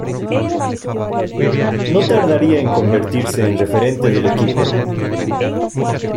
No tardaría en convertirse en referente del equipo.